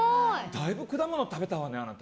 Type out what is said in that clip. だいぶ果物食べたわね、あなた。